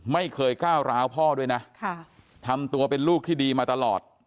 ไม่เคยก้าวร้าวพ่อด้วยนะทำตัวเป็นลูกที่ดีมาตลอด